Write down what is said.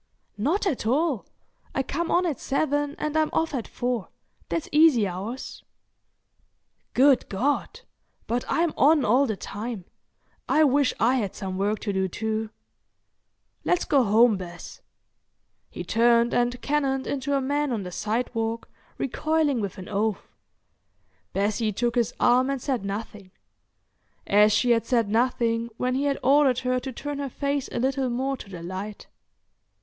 "Not at all. I come on at seven and I'm off at four. That's easy hours." "Good God!—but I'm on all the time. I wish I had some work to do too. Let's go home, Bess." He turned and cannoned into a man on the sidewalk, recoiling with an oath. Bessie took his arm and said nothing—as she had said nothing when he had ordered her to turn her face a little more to the light.